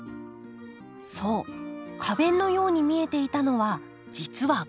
そう花弁のように見えていたのは実はがく片。